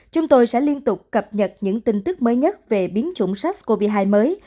chúng tôi sẽ liên tục cập nhật những tin tức mới nhất về biến chủng sars cov hai mới